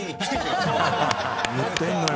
言ってんのよ